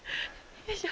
よいしょ。